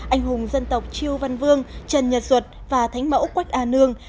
anh hùng dân tộc chiêu văn vương trần nhật duật và thánh mẫu quách a nương